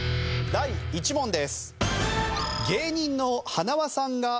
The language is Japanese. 第１問です。